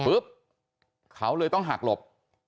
ปุ๊บเขาเลยต้องหักหลบ